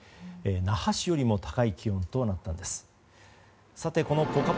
那覇市よりも高い気温となったようです。